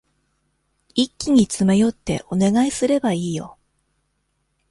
一気に詰め寄ってお願いすればいいよ。